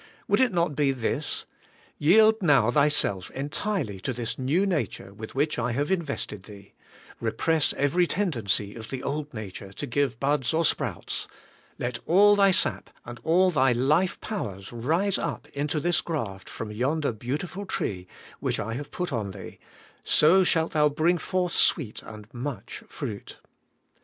Would it not be this: *Yield now thyself entirely to this new nature with which I have invested thee; repress every tendency of the old nature to give buds or sprouts; let all thy sap and all thy life powers rise up into this graft 76 ABIDE IN CHRIST: from yonder beautiful tree, which I have put on thee; so shalt thou bring forth sweet and much fruit.'